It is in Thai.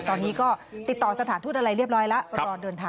ตอนนี้ก็ติดต่อสถานทูตอะไรเรียบร้อยแล้ว